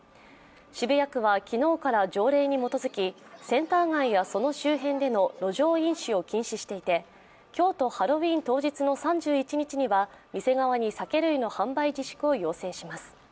渋谷区は昨日から条例に基づきセンター街やその周辺での路上飲酒を禁止していて、今日とハロウィーン当日の３１日には店側に酒類の販売自粛を要請します。